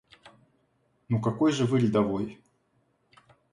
Ну какой же Вы рядовой?